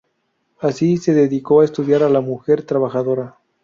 Así se decidió estudiar a la mujer trabajadora.